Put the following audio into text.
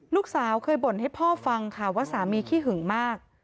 ลูกสาวเคยบ่นให้พ่อฟังค่ะว่าสามีขี้หึงมาก